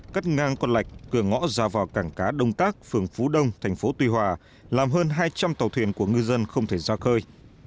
cắt ngang con lạch cửa ngõ ra vào cảng cá đông tác phường phú đông thành phố tuy hòa làm hơn hai trăm linh tàu thuyền của ngư dân không thể ra khơi